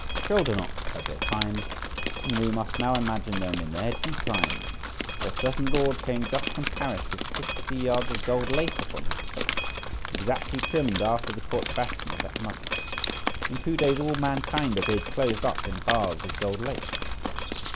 Shoulder knots had their time, and we must now imagine them in their decline, for a certain lord came just from Paris with fifty yards of gold lace upon his coat, exactly trimmed after the court fashion of that month. In two days all mankind appeared closed up in bars of gold lace.